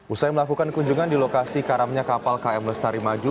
usai melakukan kunjungan di lokasi karamnya kapal km lestari maju